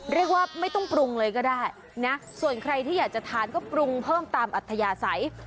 เรียกว่าไม่ต้องปรุงเลยก็ได้นะส่วนใครที่อยากจะทานก็ปรุงเพิ่มตามอัธยาศัย